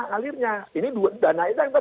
ngalirnya ini dana itu yang